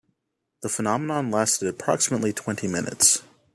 The phenomenon lasted approximately twenty minutes.